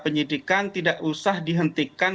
penyidikan tidak usah dihentikan